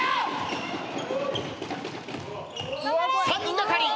３人がかり。